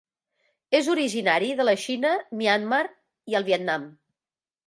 És originari de la Xina, Myanmar i el Vietnam.